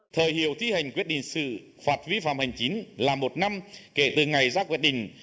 thời hiệu thi hành quyết định xử phạt vi phạm hành chính là một năm kể từ ngày ra quyết định